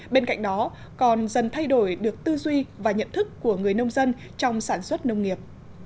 bên cạnh đó còn dần thay đổi được tư duy và nhận thức của người nông dân trong sản xuất nông nghiệp